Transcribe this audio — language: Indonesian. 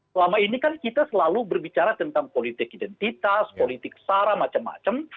selama ini kan kita selalu berbicara tentang politik identitas politik sara macam macam